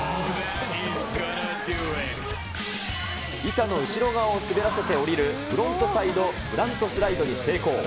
板の後ろ側を滑らせて降りる、フロントサイド・ブラントスライドに成功。